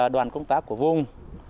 đoàn công tác của vùng